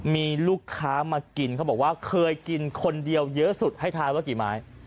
มีลูกค้ามากินเขาบอกว่าเคยกินคนเดียวเยอะสุดให้ทานว่ากี่ไม้